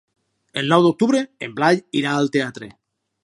El nou d'octubre en Blai irà al teatre.